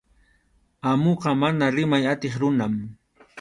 Amuqa mana rimay atiq runam.